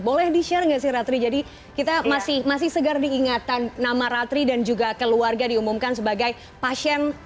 boleh di share nggak sih ratri jadi kita masih segar diingatan nama ratri dan juga keluarga diumumkan sebagai pasien